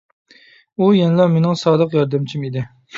ئۇ يەنىلا مېنىڭ سادىق ياردەمچىم ئىدى.